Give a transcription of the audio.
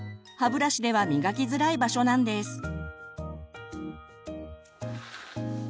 歯ブラシでは磨きづらい場所なんです。